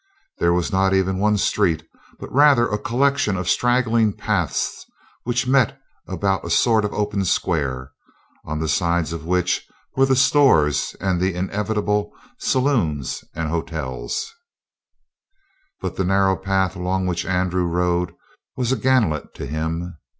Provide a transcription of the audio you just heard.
There was not even one street, but rather a collection of straggling paths which met about a sort of open square, on the sides of which were the stores and the inevitable saloons and hotel. But the narrow path along which Andrew rode was a gantlet to him.